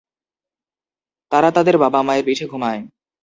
তারা তাদের বাবা-মায়ের পিঠে ঘুমায়।